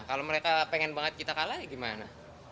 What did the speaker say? kalau mereka pengen banget kita kalah ya gimana